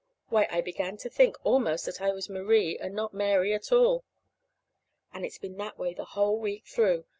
Why, I began to think almost that I was Marie, and not Mary at all. And it's been that way the whole week through.